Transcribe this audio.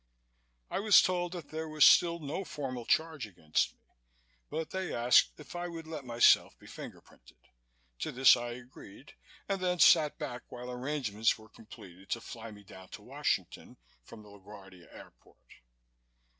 I was told that there was still no formal charge against me but they asked if I would let myself be fingerprinted. To this I agreed and then sat back while arrangements were completed to fly me down to Washington from the LaGuardia Airport.